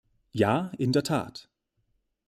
Ja, in der Tat!